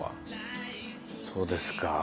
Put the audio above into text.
そうですか。